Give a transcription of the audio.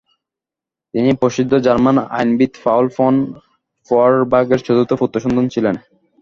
তিনি প্রসিদ্ধ জার্মান আইনবিদ পাউল ফন ফয়ারবাখের চতুর্থ পুত্রসন্তান ছিলেন।